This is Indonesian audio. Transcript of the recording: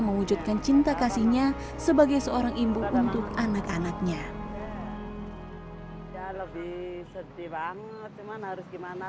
mewujudkan cinta kasihnya sebagai seorang ibu untuk anak anaknya ya lebih sedih banget cuman harus gimana